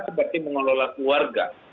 seperti mengelola keluarga